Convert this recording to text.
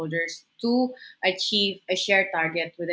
untuk mencapai target berbagi